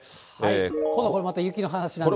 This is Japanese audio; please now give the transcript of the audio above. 今度これまた雪の話なんですが。